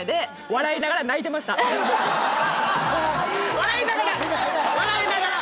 笑いながら笑いながら。